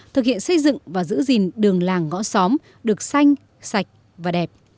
thực hiện xây dựng và giữ gìn đường làng ngõ xóm được xanh sạch và đẹp